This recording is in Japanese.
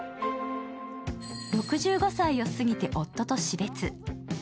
６５歳を過ぎて夫と死別。